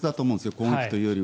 攻撃というよりは。